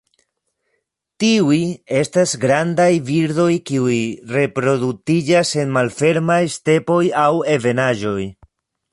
Tiuj estas grandaj birdoj kiuj reproduktiĝas en malfermaj stepoj aŭ ebenaĵoj.